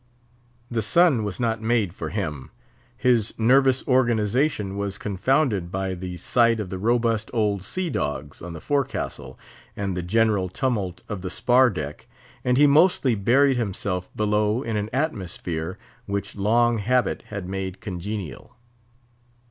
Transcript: The sun was not made for him. His nervous organization was confounded by the sight of the robust old sea dogs on the forecastle and the general tumult of the spar deck, and he mostly buried himself below in an atmosphere which long habit had made congenial.